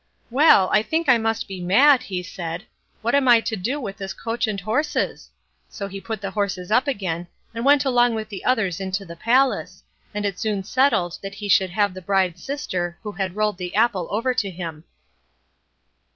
"Well, I think I must be mad", he said; "what am I to do with this coach and horses?" So he put the horses up again, and went along with the others into the palace, and it was soon settled that he should have the bride's sister, who had rolled the apple over to him.